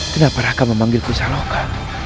kenapa raka memanggilku saloka